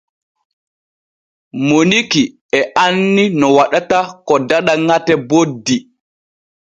Moniki e anni no waɗata ko daɗa ŋate boddi.